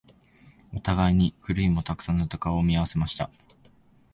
お互いにクリームをたくさん塗った顔を見合わせました